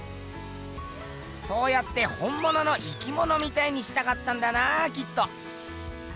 そうやってほんものの生きものみたいにしたかったんだなきっと。